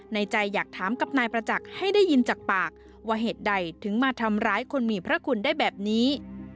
ในใจอยากถามกับนายประจักษ์ให้ได้ยินจากปากว่าเหตุใดถึงมาทำร้ายคนมีพระคุณได้แบบนี้